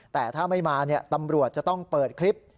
แต่ถ้าไม่มาตำรวจจะต้องเปิดคลิป